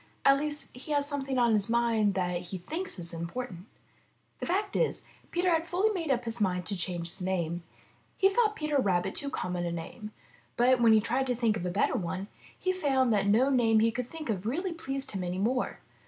At least he has something on his mind that he thinks is important. The fact is, Peter had fully made up his mind to change his name. He thought Peter Rabbit too common a name. But when he tried to think of a better one, he found that no name that he could think of really pleased him any more.